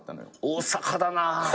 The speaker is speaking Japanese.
大阪だな。